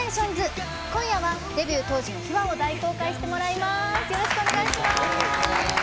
今夜はデビュー当時の秘話を大公開してもらいます。